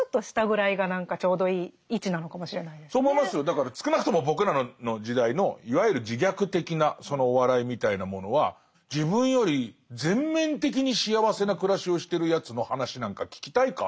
だから少なくとも僕らの時代のいわゆる自虐的なお笑いみたいなものは自分より全面的に幸せな暮らしをしてるやつの話なんか聞きたいか？